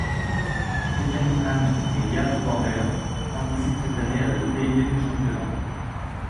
Stephanie Halm et Gerd Körber participe cette année à la totalité du championnat.